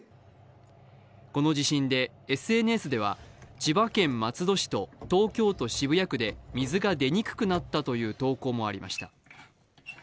この地震でＳＮＳでは千葉県松戸市と東京都渋谷区で水が出にくくなったという投稿もありました。